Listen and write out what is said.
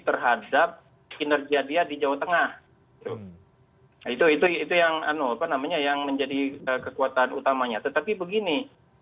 terhadap kinerja dia di jawa tengah itu itu yang apa namanya yang menjadi kekuatan utamanya tetapi begini